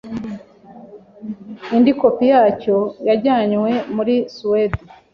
indi kopi yacyo yajyanywe muri suwede